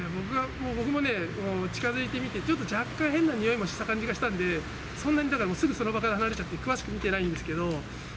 僕もね、近づいてみて、ちょっと若干、変な臭いもした感じがしたんで、そんなにだから、すぐその場から離れちゃって詳しく見てないんですけど。